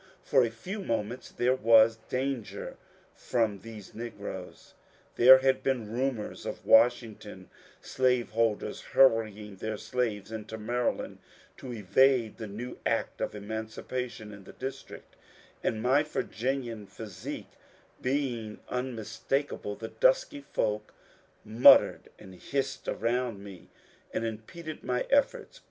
For a few moments there was danger from these negroes. There had been rumours of Washington slaveholders hurrying their slaves into Maryland to evade the new Act of Emancipation in the District ; and my Virginian physique being unmistakable, the dusky folk mut tered and hissed around me and impeded my efforts.